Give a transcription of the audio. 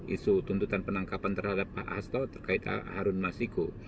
isu tuntutan penangkapan terhadap pak hasto terkait harun masiku